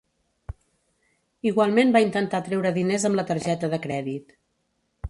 Igualment va intentar treure diners amb la targeta de crèdit.